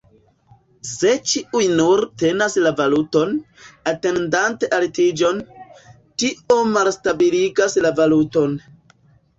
Se ĉiuj nur tenas la valuton, atendante altiĝon, tio malstabiligas la valuton.